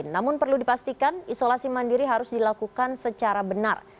namun perlu dipastikan isolasi mandiri harus dilakukan secara benar